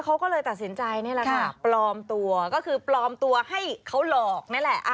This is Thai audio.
เขาก็เลยตัดสินใจนี่แหละค่ะปลอมตัวก็คือปลอมตัวให้เขาหลอกนั่นแหละ